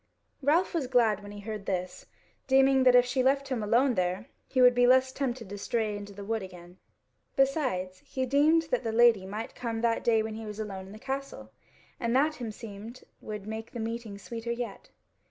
Ralph was glad when he heard this, deeming that if she left him alone there, he would be the less tempted to stray into the wood again. Besides, he deemed that the Lady might come that day when he was alone in the Castle, and that himseemed would make the meeting sweeter yet.